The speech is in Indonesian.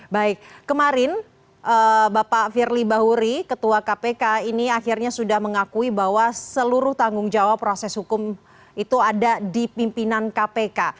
baik kemarin bapak firly bahuri ketua kpk ini akhirnya sudah mengakui bahwa seluruh tanggung jawab proses hukum itu ada di pimpinan kpk